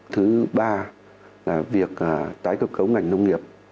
thứ ba là việc tái cơ cấu ngành nông nghiệp